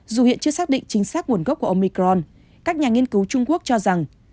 dù hiện chưa xác định chính xác nguồn gốc của omicron các nhà nghiên cứu trung quốc cho rằng